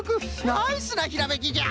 ナイスなひらめきじゃ！